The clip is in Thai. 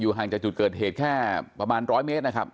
ห่างจากจุดเกิดเหตุแค่ประมาณ๑๐๐เมตรนะครับ